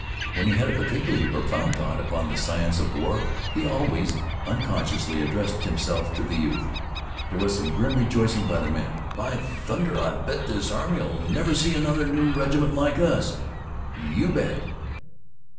When he had a particularly profound thought upon the science of war he always unconsciously addressed himself to the youth. There was some grim rejoicing by the men. "By thunder, I bet this army'll never see another new reg'ment like us!" "You bet!"